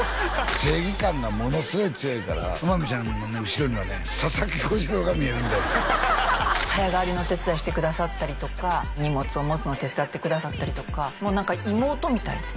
正義感がものすごい強いから天海ちゃんの後ろにはね早変わりの手伝いしてくださったりとか荷物を持つの手伝ってくださったりとかもう何か妹みたいです